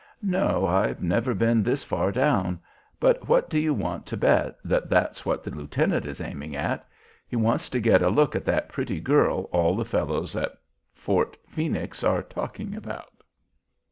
"No. I've never been this far down; but what do you want to bet that that's what the lieutenant is aiming at? He wants to get a look at that pretty girl all the fellows at Fort Phoenix are talking about."